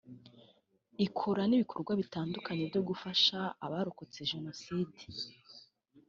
Ikora n’ibikorwa bitandukanye byo gufasha abarokotse Jenoside